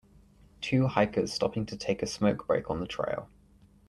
Two hikers stopping to take a smoke break on the trail.